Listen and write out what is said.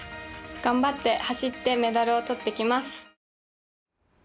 頑張って走ってメダルを取ってきます！